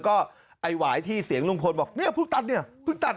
ก็ไข่วายที่เสียงลุงพลว่าพึ่งตัดพึ่งตัด